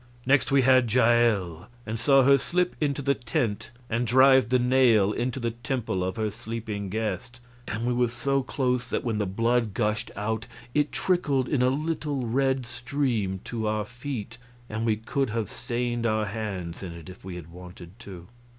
Next we had Jael; and saw her slip into the tent and drive the nail into the temple of her sleeping guest; and we were so close that when the blood gushed out it trickled in a little, red stream to our feet, and we could have stained our hands in it if we had wanted to.